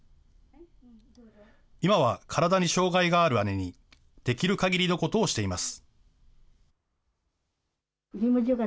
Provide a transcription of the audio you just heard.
今は体に障害がある姉に、できるかぎりのことをしています。